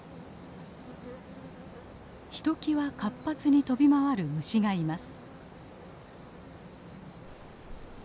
ひときわ活発に飛び回る虫がいます。